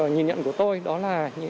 nhìn nhận của tôi đó là